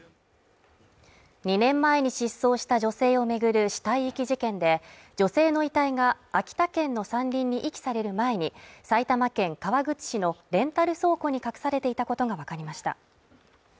２年前に失踪した女性を巡る死体遺棄事件で、女性の遺体が、秋田県の山林に遺棄される前に埼玉県川口市のレンタル倉庫に隠されていたことがわかりました。